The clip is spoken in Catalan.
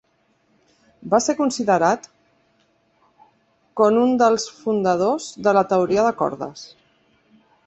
Va ser considerat con un dels fundadors de la teoria de cordes.